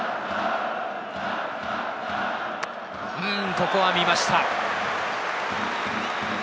ここは見ました。